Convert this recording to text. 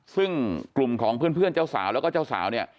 ซึ่งกลุ่มของเพื่อนเจ้าสาวแล้วก็เจ้าสาวเนี่ย